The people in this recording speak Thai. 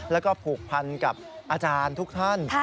แล้วก็ผูกพันกับอาจารย์ทุกท่าน